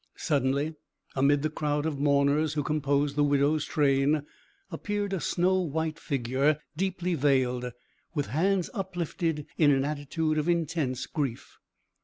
Suddenly, amid the crowd of mourners who composed the widow's train, appeared a snow white figure, deeply veiled, with hands uplifted in an attitude of intense grief.